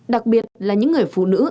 đặc biệt là những người phụ nữ